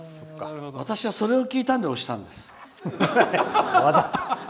私はそれを聞いたんで押したんです。